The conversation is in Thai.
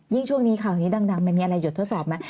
ช่วงนี้ข่าวนี้ดังมันมีอะไรหยดทดสอบไหม